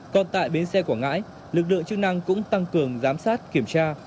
còn tại bến xe quảng ngãi lực lượng chức năng cũng tăng cường giám sát kiểm tra